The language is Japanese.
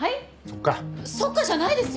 「そっか」じゃないですよ。